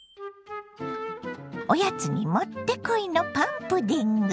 おやつに持ってこいのパンプディング。